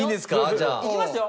じゃあ。いきますよ。